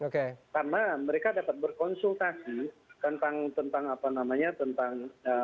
karena mereka dapat berkonsultasi tentang tentang apa namanya tentang